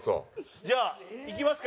じゃあいきますか。